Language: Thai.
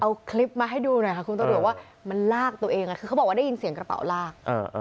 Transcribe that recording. เอาคลิปมาให้ดูหน่อยค่ะคุณตำรวจว่ามันลากตัวเองคือเขาบอกว่าได้ยินเสียงกระเป๋าลาก